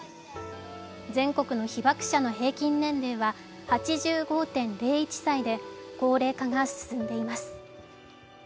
全国の被爆者の平均年齢は８５．５１歳で高齢化が進んでいます。